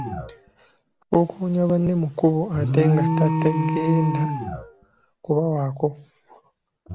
Akokoonya banne mu kkubo ate nga tategenda kubawaako.